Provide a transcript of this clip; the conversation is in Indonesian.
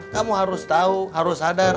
kamu harus tahu harus sadar